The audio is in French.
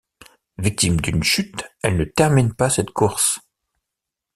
Victime d'une chute, elle ne termine pas cette course.